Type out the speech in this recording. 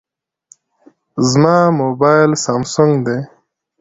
زما موبایل سامسونګ دی.